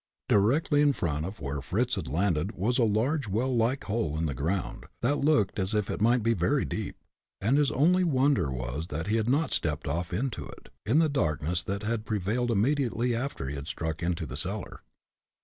Directly in front of where Fritz had landed was a large well like hole in the ground, that looked as if it might be very deep, and his only wonder was that he had not stepped off into it, in the darkness that had prevailed immediately after he had struck into the cellar.